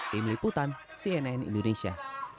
tim liputan cnn indonesia